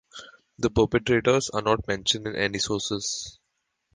The perpetrators are not mentioned in any sources.